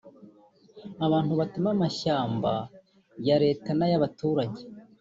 abantu batema amashyamba ya Leta n’aya baturage